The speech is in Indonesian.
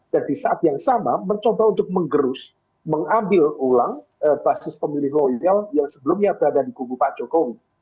dan di saat yang sama mencoba untuk mengerus mengambil ulang basis pemilih loyal yang sebelumnya berada di kubu pak jokowi